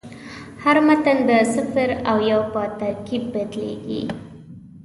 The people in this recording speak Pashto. هر متن د صفر او یو په ترکیب بدلېږي.